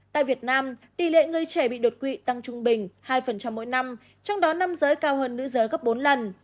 tại việt nam tỷ lệ người trẻ bị đột quỵ tăng trung bình hai mỗi năm trong đó nam giới cao hơn nữ giới gấp bốn lần